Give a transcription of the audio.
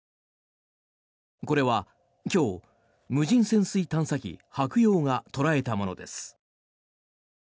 これは、今日無人潜水探査機「はくよう」が捉えたものです。